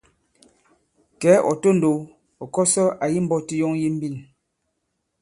Kɛ̌ ɔ̀ tondow, ɔ̀ kɔsɔ àyi mbɔti yɔŋ yi mbîn.